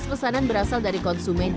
seperti eksekutifnya kan marcus